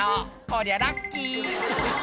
「こりゃラッキー！」